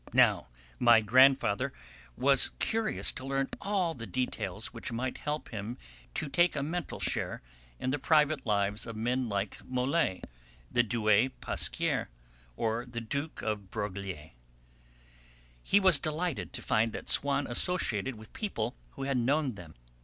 Now my grandfather was curious to learn all the little details which might help him to take a mental share in the private lives of men like Mole, the Duc Pasquier, or the Duc de Broglie. He was delighted to find that Swann associated with people who had known them.